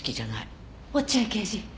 落合刑事。